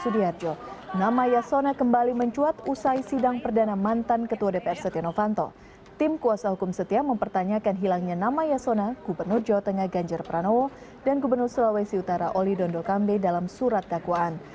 di kawasan yang diperiksa oleh ketua dpr setia novanto tim kuasa hukum setia mempertanyakan hilangnya nama yasona gubernur jawa tengah ganjar pranowo dan gubernur sulawesi utara oli dondokambe dalam surat dakwaan